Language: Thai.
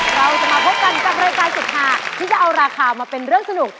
เราจะมาพบกันกับรายการสุดหาที่จะเอาราคามาเป็นเรื่องสนุก